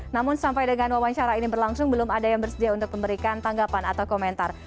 namun sampai dengan wawancara ini berlangsung belum ada yang bersedia untuk memberikan tanggapan atau komentar